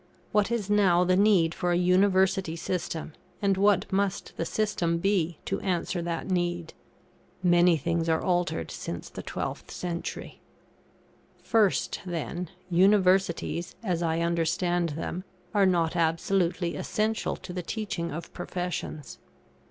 What is now the need for a University system, and what must the system be to answer that need? Many things are altered since the 12th century. First, then, Universities, as I understand them, are not absolutely essential to the teaching of professions.